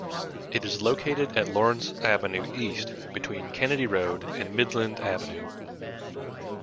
It is located at Lawrence Avenue East between Kennedy Road and Midland Avenue.